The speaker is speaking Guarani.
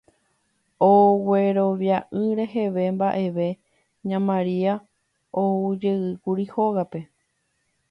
Oguerovia'ỹ reheve mba'eve ña Maria oujeýkuri hógape